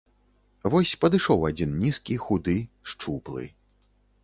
Вось падышоў адзін нізкі, худы, шчуплы.